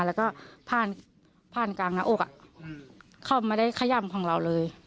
แล้วก็ผ่านกลางหน้าอกเขาไม่ได้ขย่ำของเราเลย